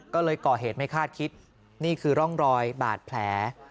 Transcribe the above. ก็เลยก่อเหตุไม่คาดคิดนี่คือร่องรอยบาดแผล